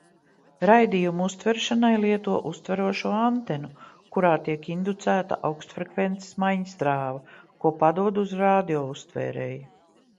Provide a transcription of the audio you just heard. Raidījuma uztveršanai lieto uztverošo antenu, kurā tiek inducēta augstfrekvences maiņstrāva, ko padod uz radiouztvērēju.